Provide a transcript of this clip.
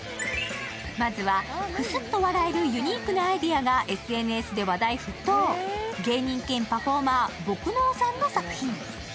まずは、クスッと笑えるユニークなアイデアがＳＮＳで話題沸騰、芸人兼パフォーマーぼく脳さんの作品。